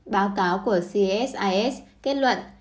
báo cáo của csis kết luận